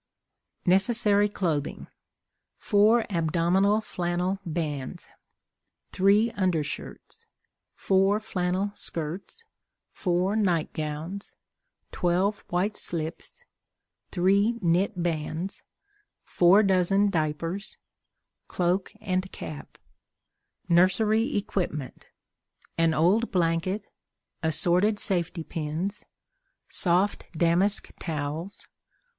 Necessary Clothing. 4 Abdominal Flannel Bands. 3 Undershirts. 4 flannel Skirts. 4 Night Gowns. 12 White Slips. 3 Knit Bands. 4 Dozen Diapers. Cloak and Cap. Nursery Equipment. An old Blanket. Assorted Safety Pins. Soft Damask Towels.